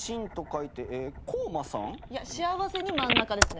いや「幸せ」に「真ん中」ですね。